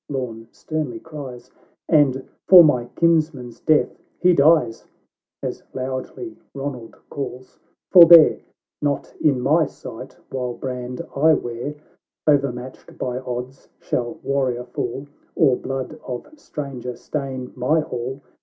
Lorn sternly cries, "And for my kinsman's death he dies." — As loudly Konald calls —" Forbear! Not in my sight while brand I wear, O'ermatched by odds, shall warrior fall, Or blood of stranger stain my hall